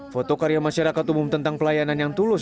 foto karya masyarakat umum tentang pelayanan yang tulus